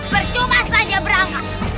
percuma saja berangkat